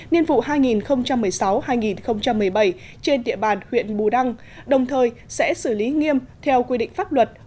niên vụ hai nghìn một mươi sáu hai nghìn một mươi bảy trên địa bàn huyện bù đăng đồng thời sẽ xử lý nghiêm theo quy định pháp luật